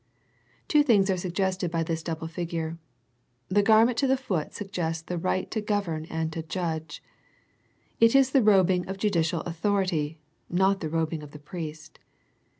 Two things are suggested by this double figure. The garment to the foot sug gests the right to govern and to judge. It is the robing of judicial authority, not the robing of the priest.